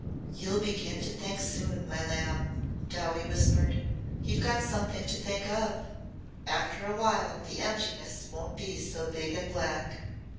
"You'll begin to think soon, my lamb," Dowie whispered. "You've got something to think of. After a while the emptiness won't be so big and black."